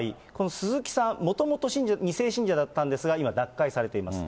鈴木さん、もともと２世信者だったんですが、今、脱会されています。